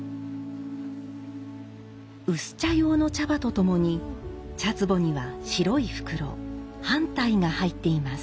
薄茶用の茶葉とともに茶壺には白い袋「半袋」が入っています。